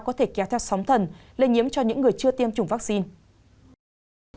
có thể kéo theo sóng thần lây nhiễm cho những người chưa tiêm chủng vaccine